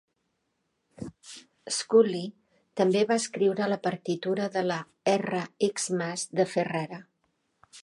Schoolly també va escriure la partitura de la "R Xmas" de Ferrara.